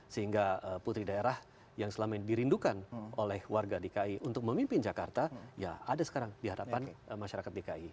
sehingga putri daerah yang selama ini dirindukan oleh warga dki untuk memimpin jakarta ya ada sekarang di hadapan masyarakat dki